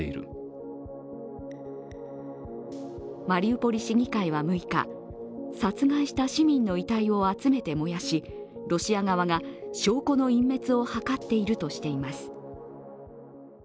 マリウポリ市議会は６日、殺害した市民の遺体を集めて燃やし、ロシア側が証拠の隠滅を図っているとしています。